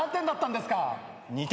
２点。